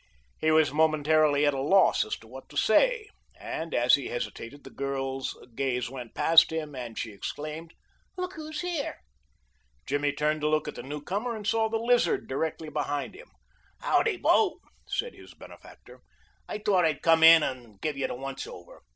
He was momentarily at a loss as to what to say, and as he hesitated the girl's gaze went past him and she exclaimed: "Look who's here!" Jimmy turned to look at the newcomer, and saw the Lizard directly behind him. "Howdy, bo," said his benefactor. "I thought I'd come in and give you the once over.